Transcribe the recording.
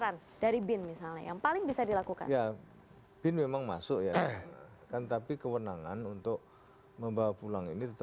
anda kembali bersama kami di cnn dans indonesia prime